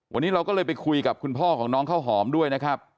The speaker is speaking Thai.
วันนี้เราก็เลยไปคุยกับคุณพ่อของน้องข้าวหอมด้วยนะครับ